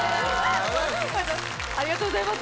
ありがとうございます。